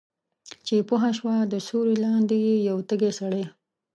چې پوهه شوه د سیوری لاندې یې یو تږی سړی